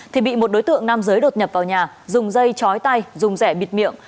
thì bị một đối tượng nam giới đột nhập vào nhà dùng dây chói tay dùng rẻ bịt miệng